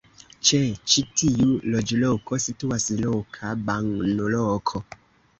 Ĉe ĉi tiu loĝloko situas loka banloko.